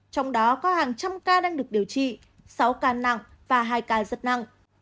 trong đó có hàng trăm ca đang được điều trị sáu ca nặng và hai ca rất nặng